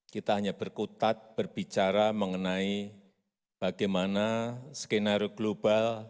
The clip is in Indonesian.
kita hanya berkutat berbicara mengenai bagaimana skenario global